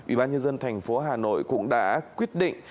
ubnd tp hà nội cũng đã quyết định